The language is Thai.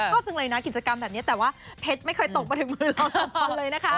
ชอบจังเลยนะกิจกรรมแบบนี้แต่ว่าเพชรไม่เคยตกมาถึงมือเราสองคนเลยนะคะ